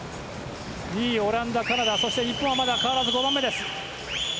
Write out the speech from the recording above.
２位、オランダ、カナダときて日本は変わらず５番目です。